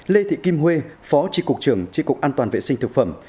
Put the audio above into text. lê thị kim huê phó tri cục trường tri cục an toàn vệ sinh thực phẩm